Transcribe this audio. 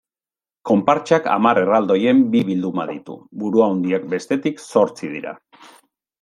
Konpartsak hamar erraldoien bi bilduma ditu; buruhandiak, bestetik, zortzi dira.